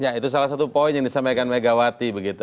ya itu salah satu poin yang disampaikan megawati begitu